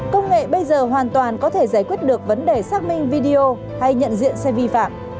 công nghệ bây giờ hoàn toàn có thể giải quyết được vấn đề xác minh video hay nhận diện xe vi phạm